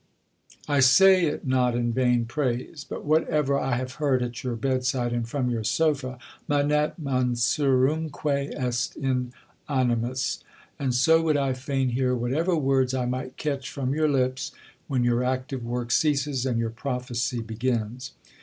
' I say it not in vain praise, but whatever I have heard at your bedside and from your sofa manet mansurumque est in animis. And so would I fain hear whatever words I might catch from your lips when your active work ceases and your prophecy begins."